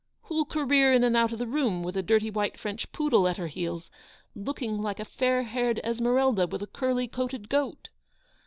Who'll career in and out of the room with a dirty white French poodle at her heels, looking like a fair haired Esmeralda with a curly coated goat?